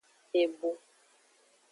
Ebo.